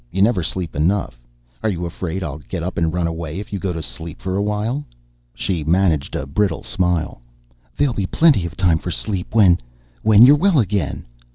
You never sleep enough. Are you afraid I'll get up and run away if you go to sleep for a while?" She managed a brittle smile. "There'll be plenty of time for sleep when ... when you're well again."